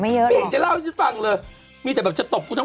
บางเรื่องเขาก็อาจจะไม่อยากเล่าไหมจมูกแต่ยังบวมอยู่โถ่